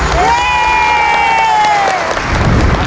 ๕๐๐๐บาทครับ